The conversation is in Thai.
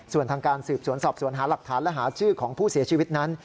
ส่วนทางการสืบสวนสอบสวนหาหลักฐานและหาชื่อของผู้เสียชีวิตนั้น